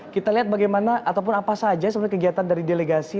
kita lihat bagaimana ataupun apa saja sebenarnya kegiatan dari delegasi